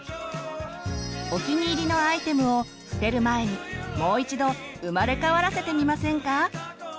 お気に入りのアイテムを捨てる前にもう一度生まれ変わらせてみませんか！